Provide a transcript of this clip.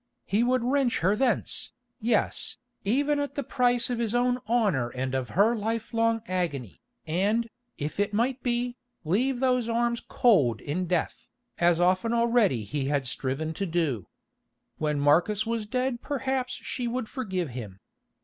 He would wrench her thence, yes, even at the price of his own honour and of her life long agony, and, if it might be, leave those arms cold in death, as often already he had striven to do. When Marcus was dead perhaps she would forgive him.